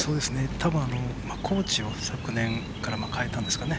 たぶんコーチを昨年から変えたんですかね。